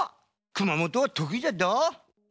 熊本はとくいじゃっど。